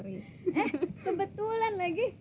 eh kebetulan lagi